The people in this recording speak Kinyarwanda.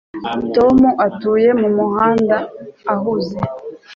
Tom atuye mumuhanda uhuze